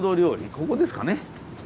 ここですかね。